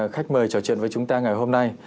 khách mời trò chuyện với chúng ta ngày hôm nay